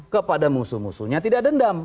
kepada musuh musuhnya tidak dendam